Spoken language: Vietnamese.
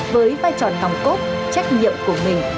với vai trò nòng cốt trách nhiệm của mình